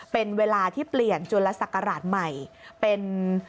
เป็นเวลาที่เปลี่ยนจุลศักราชใหม่เป็น